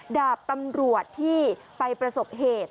ดาบตำรวจที่ไปประสบเหตุ